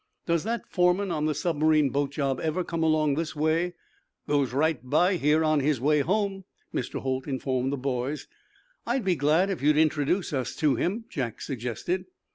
"Does that foreman on the submarine boat job ever come along this way?" "Goes right by here on his way home," Mr. Holt informed the boys. "I'd be glad if you'd introduce us to him," Jack suggested.